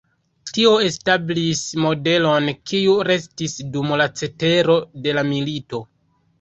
Tio establis modelon, kiu restis dum la cetero de la milito.